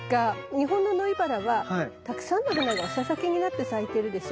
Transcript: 日本のノイバラはたくさんの花が房咲きになって咲いてるでしょ。